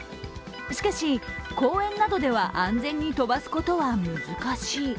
しかし公園などでは安全に飛ばすことは難しい。